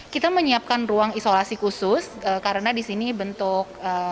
kita menyiapkan ruang isolasi khusus karena di sini bentuk